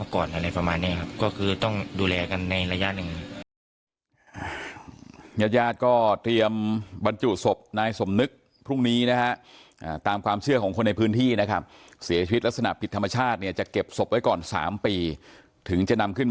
ก็คือต้องดูแลกันในระยะหนึ่ง